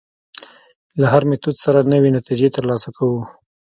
له هر میتود سره نوې نتیجې تر لاسه کوو.